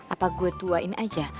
apa gue tuain aja